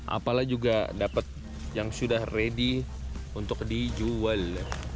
apalah juga dapat yang sudah ready untuk dijual